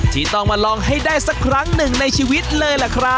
ที่ต้องมาลองให้ได้สักครั้งหนึ่งในชีวิตเลยล่ะครับ